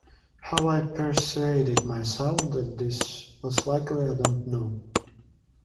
How I persuaded myself that this was likely, I don't know.